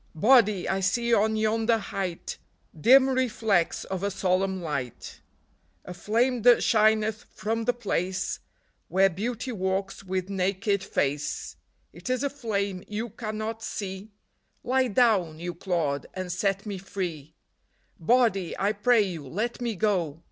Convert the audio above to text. " Body, I see on yonder height Dim reflex of a solemn light ; A flame that shineth from the place Where Beauty walks with naked face It is a flame you cannot see ;— Lie down, you clod, and set me free. " Body, I pray you, let me go